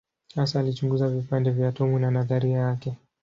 Hasa alichunguza vipande vya atomu na nadharia yake.